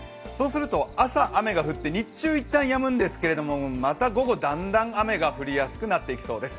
朝、雨が降って日中一旦やむんですけれどもまた午後、だんだん雨が降りやすくなってきそうです。